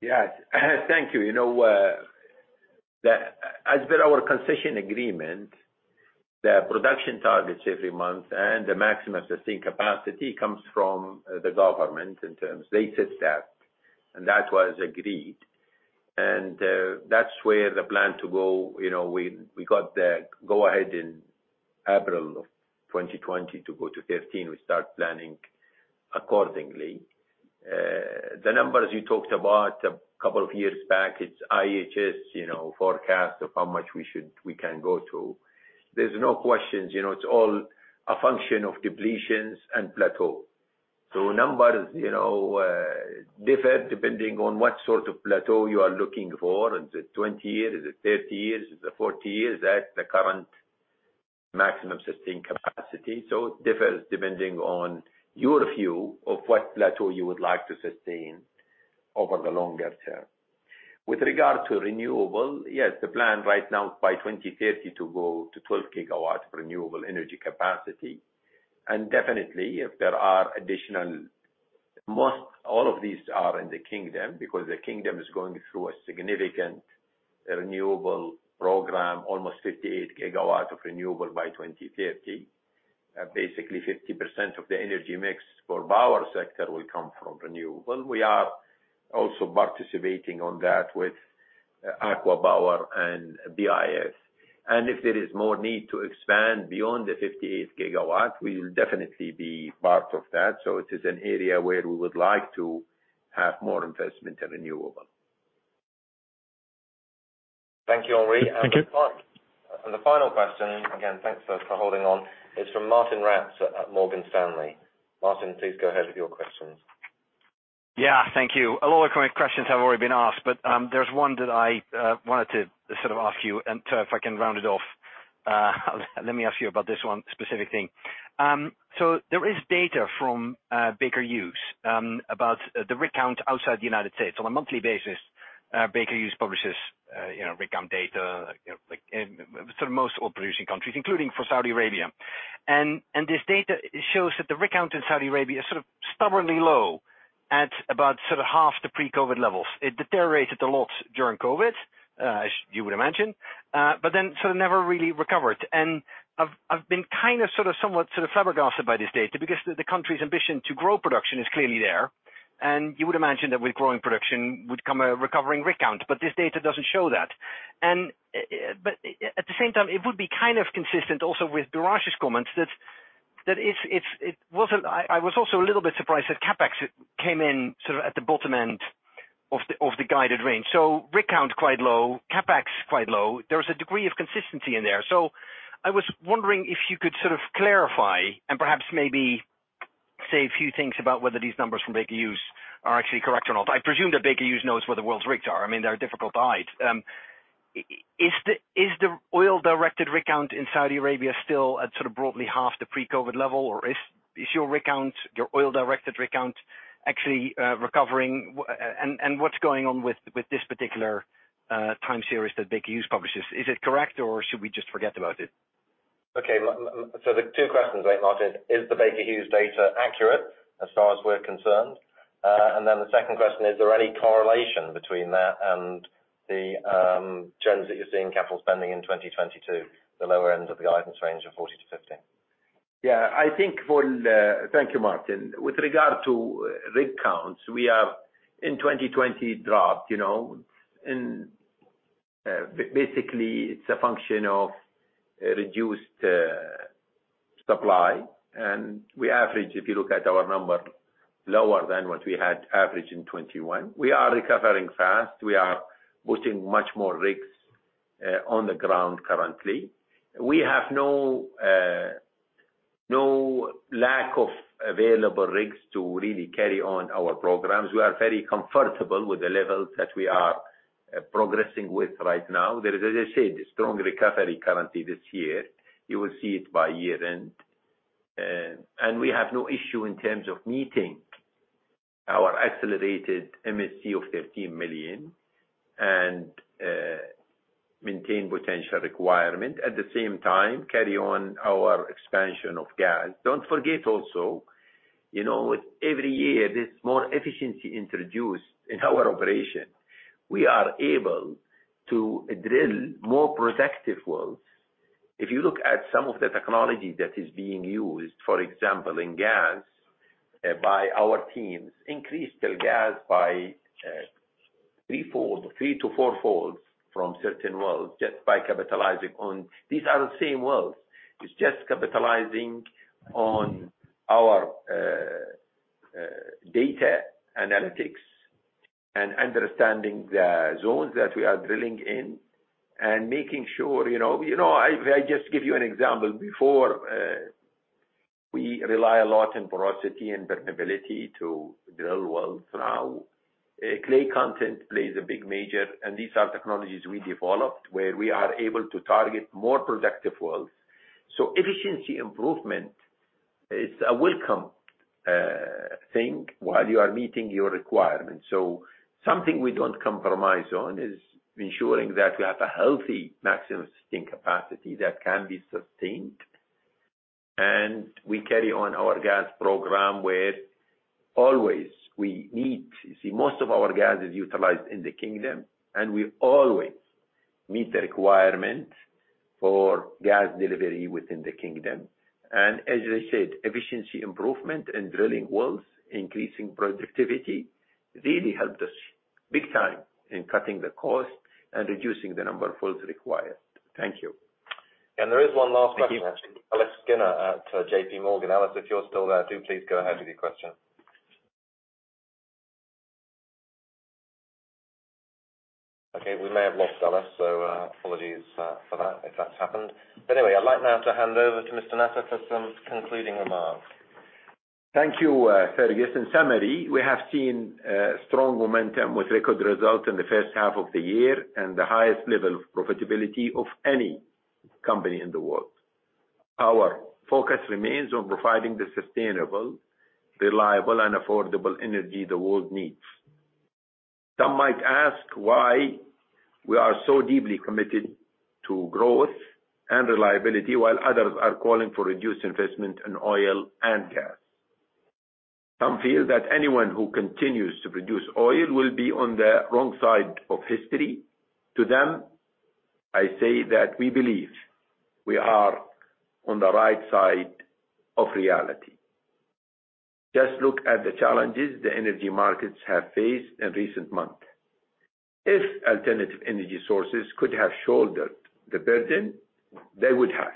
Yes. Thank you. You know, as per our concession agreement. The production targets every month and the maximum sustained capacity comes from the government in terms they set that and that was agreed. That's where the plan to go, you know, we got the go ahead in April of 2020 to go to 15, we start planning accordingly. The numbers you talked about a couple of years back, it's IHS, you know, forecast of how much we can go to. There's no questions, you know, it's all a function of depletions and plateau. Numbers, you know, differ depending on what sort of plateau you are looking for. Is it 20 years, is it 30 years, is it 40 years at the current maximum sustained capacity? It differs depending on your view of what plateau you would like to sustain over the longer term. With regard to renewable, yes, the plan right now is by 2030 to go to 12 GW renewable energy capacity. Most all of these are in the kingdom, because the kingdom is going through a significant renewable program, almost 58 GW of renewable by 2030. Basically 50% of the energy mix for power sector will come from renewable. We are also participating on that with ACWA Power and Badeel. If there is more need to expand beyond the 58 GW, we will definitely be part of that. It is an area where we would like to have more investment in renewable. Thank you, Henri. Thank you. The final question, again thanks for holding on is from Martijn Rats at Morgan Stanley. Martijn, please go ahead with your questions. Yeah, thank you. A lot of my questions have already been asked but there's one that I wanted to sort of ask you and to, if I can round it off. Let me ask you about this one specific thing. So there is data from Baker Hughes about the rig count outside the United States. On a monthly basis, Baker Hughes publishes, you know, rig count data, you know, like, sort of most oil-producing countries, including for Saudi Arabia. This data shows that the rig count in Saudi Arabia is sort of stubbornly low at about sort of half the pre-COVID levels. It deteriorated a lot during COVID, as you would imagine but then sort of never really recovered. I've been kind of sort of somewhat flabbergasted by this data because the country's ambition to grow production is clearly there. You would imagine that with growing production would come a recovering rig count but this data doesn't show that. But at the same time, it would be kind of consistent also with Biraj's comments that it's. I was also a little bit surprised that CapEx came in sort of at the bottom end of the guided range. Rig count quite low, CapEx quite low. There was a degree of consistency in there. I was wondering if you could sort of clarify and perhaps maybe say a few things about whether these numbers from Baker Hughes are actually correct or not. I presume that Baker Hughes knows where the world's rigs are. I mean, they're difficult to hide. Is the oil-directed rig count in Saudi Arabia still at sort of broadly half the pre-COVID level? Or is your rig count, your oil-directed rig count actually recovering? What's going on with this particular time series that Baker Hughes publishes? Is it correct or should we just forget about it? The two questions there, Martijn. Is the Baker Hughes data accurate as far as we're concerned? The second question, is there any correlation between that and the trends that you're seeing capital spending in 2022, the lower end of the guidance range of $40-$50? Thank you, Martijn. With regard to rig counts, we are in 2020 dropped, you know. Basically, it's a function of reduced supply. We average, if you look at our number, lower than what we had averaged in 2021. We are recovering fast. We are putting much more rigs on the ground currently. We have no lack of available rigs to really carry on our programs. We are very comfortable with the levels that we are progressing with right now. There is, as I said, strong recovery currently this year. You will see it by year end. We have no issue in terms of meeting our accelerated MSC of 13 million and maintain potential requirement. At the same time, carry on our expansion of gas. Don't forget also, you know, with every year there's more efficiency introduced in our operation. We are able to drill more productive wells. If you look at some of the technology that is being used, for example, in gas, by our teams, increased the gas by threefold, three to fourfold from certain wells just by capitalizing on. These are the same wells. It's just capitalizing on our data analytics and understanding the zones that we are drilling in and making sure, you know. You know, I just give you an example. Before, we rely a lot on porosity and permeability to drill wells. Now, clay content plays a big major and these are technologies we developed where we are able to target more productive wells. So efficiency improvement is a welcome thing while you are meeting your requirements. Something we don't compromise on is ensuring that we have a healthy Maximum Sustainable Capacity that can be sustained. We carry on our gas program. You see, most of our gas is utilized in the kingdom and we always meet the requirement for gas delivery within the kingdom. As I said, efficiency improvement and drilling wells, increasing productivity really helped us big time in cutting the cost and reducing the number of wells required. Thank you. There is one last question. Alice Skinner at J.P. Morgan. Alice, if you're still there, do please go ahead with your question. Okay. We may have lost Alice, so apologies for that if that's happened. Anyway, I'd like now to hand over to Mr. Nasser for some concluding remarks. Thank you, Fergus. In summary, we have seen strong momentum with record results in the first half of the year and the highest level of profitability of any company in the world. Our focus remains on providing the sustainable, reliable and affordable energy the world needs. Some might ask why we are so deeply committed to growth and reliability, while others are calling for reduced investment in oil and gas. Some feel that anyone who continues to produce oil will be on the wrong side of history. To them, I say that we believe we are on the right side of reality. Just look at the challenges the energy markets have faced in recent months. If alternative energy sources could have shouldered the burden, they would have.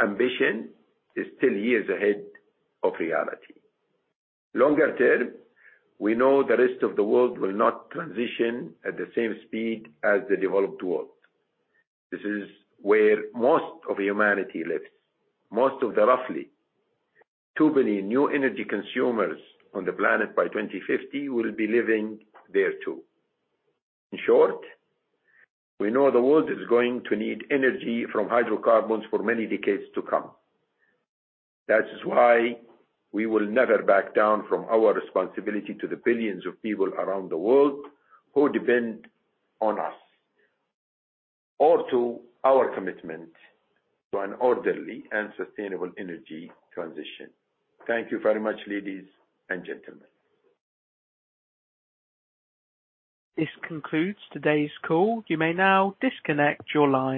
Ambition is still years ahead of reality. Longer term, we know the rest of the world will not transition at the same speed as the developed world. This is where most of humanity lives. Most of the roughly 2 billion new energy consumers on the planet by 2050 will be living there too. In short, we know the world is going to need energy from hydrocarbons for many decades to come. That is why we will never back down from our responsibility to the billions of people around the world who depend on us or to our commitment to an orderly and sustainable energy transition. Thank you very much, ladies and gentlemen. This concludes today's call. You may now disconnect your lines.